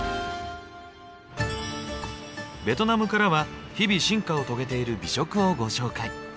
ベトナムからは日々進化を遂げている美食をご紹介。